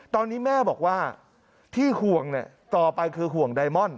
ตอนนี้แม่บอกว่าที่ห่วงต่อไปคือห่วงไดมอนด